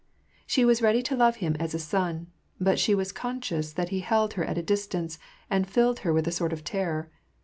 She was ready to love him as a son ; but she was conscious that he held her at a distance, and filled her with a sort of terror.